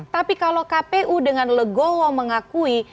tapi kalau kpu dengan legowo mengakui